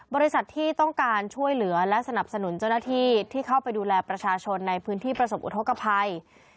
บริษัทที่ต้องการช่วยเหลือและสนับสนุนเจ้าหน้าที่ที่เข้าไปดูแลประชาชนในพื้นที่ประสบอุทธกภัย